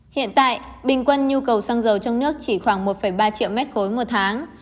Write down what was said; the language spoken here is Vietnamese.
hiện tại bình quân nhu cầu xăng dầu trong nước chỉ khoảng một ba triệu mét khối một tháng